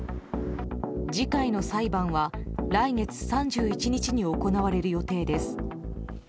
次回の裁判は来月３１日に行われる予定です。